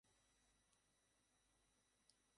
উনাকে এখনই ডাকুন।